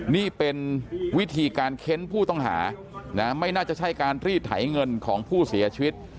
นี่เป็นวิธีการเค้นผู้ต้องหานะไม่น่าจะใช่การรีดไถเงินของผู้เสียชีวิต